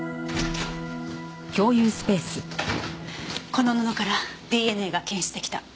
この布からＤＮＡが検出出来た。